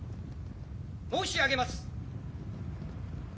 ・申し上げます！